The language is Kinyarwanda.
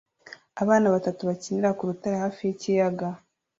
Abana batatu bakinira ku rutare hafi yikiyaga